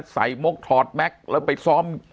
ใส่มกทอดแมคแล้วก็ไปซอม